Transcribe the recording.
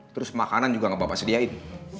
terus makanan juga gapapa sediain